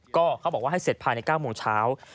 ก็เขาบอกว่าให้เสร็จภายใน๙โมงเช้า